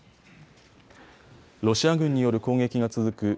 ロシア軍による攻撃が続く